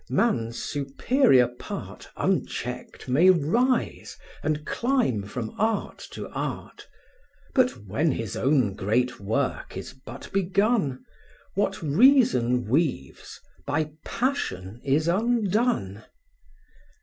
man's superior part Unchecked may rise, and climb from art to art; But when his own great work is but begun, What reason weaves, by passion is undone.